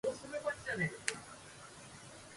需要の盛大が粗製濫造の弊を伴わないで済むのは、